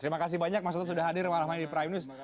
terima kasih banyak mas toto sudah hadir malam ini di prime news